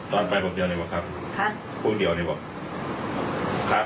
คับไปคำ่ากันบ้าง